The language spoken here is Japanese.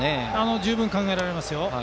十分考えられます。